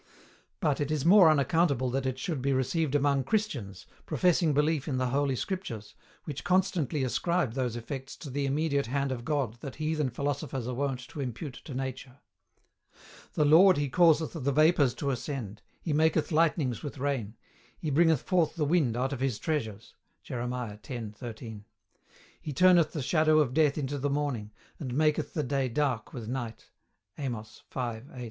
But, it is more unaccountable that it should be received among Christians, professing belief in the Holy Scriptures, which constantly ascribe those effects to the immediate hand of God that heathen philosophers are wont to impute to Nature. "The Lord He causeth the vapours to ascend; He maketh lightnings with rain; He bringeth forth the wind out of his treasures." Jerem. 10. 13. "He turneth the shadow of death into the morning, and maketh the day dark with night." Amos, 5. 8.